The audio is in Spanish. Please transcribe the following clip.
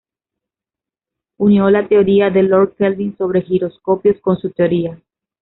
Unió la teoría de Lord Kelvin sobre giroscopios con su teoría.